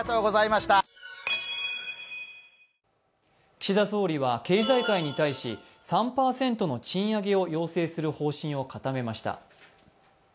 岸田総理は経済界に対し、３％の賃上げを要請する方針を固めました。